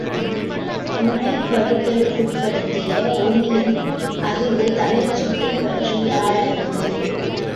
முனைப்படுதலுக்குட்படுத்திய ஒளியின் அதிர்வுத் தலச் சுழற்சி பற்றி ஆராய்வது.